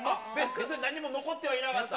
別に何も残っていなかった？